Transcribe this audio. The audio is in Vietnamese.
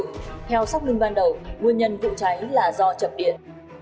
theo xác minh ban đầu nguyên nhân vụ cháy là do chập điện